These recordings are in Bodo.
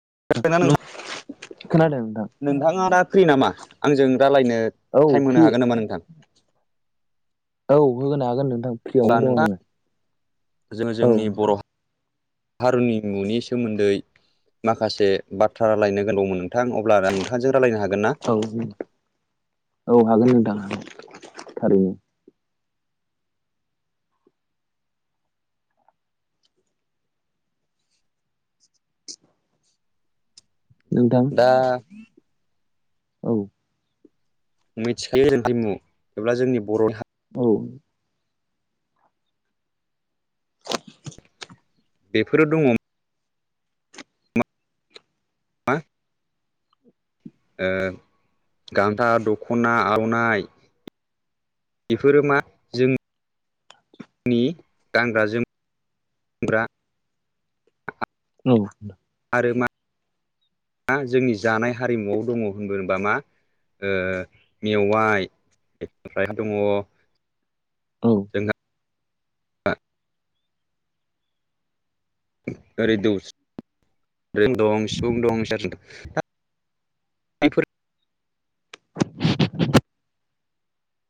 [unintelligible] खोनादोंना नोंथां नोंथाङा फ्रि नामा आंजों रालायनो औ टाइम फ्रि होनो हागोन नामा नोंथां औ होनो हागोन नोंथां अब्ला फ्रियावनो दङ नोंथां आङो जोङो औ जोंनि बर' नोंथां हारिनिमुनि सोमोन्दै माखासे बाथ्रा रालायनो गोनां दंमोन नोंथां अब्ला नोंथांजों रायलायनो हागोन ना औ औ हागोन नोंथां थारैनो नोंथां दा औ मिथिखायो [unintelligible] हारिमु जोंनि बर'नि हा औ बेफोरो दङ मा ओ गान्था दख'ना आर'नाइ बेफोरो मा जों नि गानग्रा जोमग्रा औ आरो मा जोंनि जानाय हारिमुआव दङ होनोबा मा ओ मेवाइ ओमफ्राय दङ औ जोंहा [unintelligible] बेफोरनि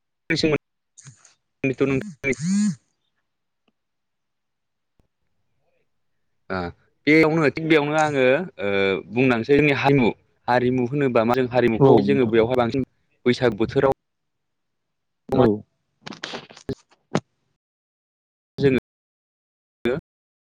[unintelligible] बेयावनो थिग बेयावनो आङो ओ बुंनोसै जोंनि हारिमु हारिमु होनोबा मा जों हारिमुखौ जोङो नोंथां बेवहाय बांसिन बैसाग बोथोराव औ मा जोङो